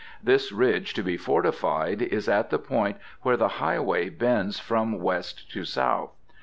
This ridge to be fortified is at the point where the highway bends from west to south.